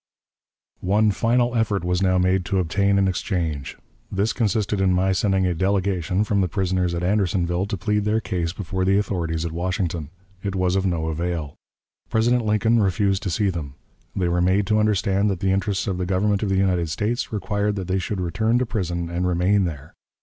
One final effort was now made to obtain an exchange. This consisted in my sending a delegation from the prisoners at Andersonville to plead their cause before the authorities at Washington. It was of no avail. President Lincoln refused to see them. They were made to understand that the interests of the Government of the United States required that they should return to prison and remain there.